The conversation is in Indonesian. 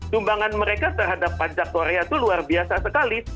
sumbangan mereka terhadap pajak korea itu luar biasa sekali